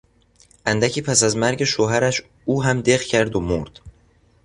اندکی پس از مرگ شوهرش او هم دق کرد و مرد.